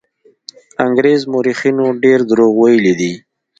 انګرېز مورخینو ډېر دروغ ویلي دي.